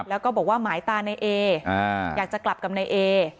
แล้วก็บอกว่าหมายตาในเออยากจะกลับกับนายเอ